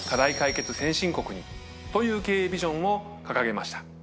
という経営ビジョンを掲げました。